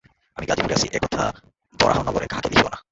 আমি গাজীপুরে আছি, একথা বরাহনগরে কাহাকেও লিখিও না।